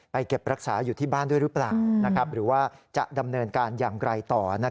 เก็บรักษาอยู่ที่บ้านด้วยหรือเปล่าหรือว่าจะดำเนินการอย่างไรต่อ